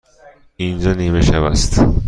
اینجا نیمه شب است.